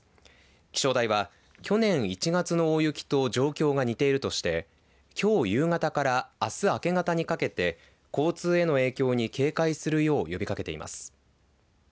気象台は去年１月の大雪と状況が似ているとしてきょう夕方からあす明け方にかけて交通への影響に警戒するよう呼びかけています。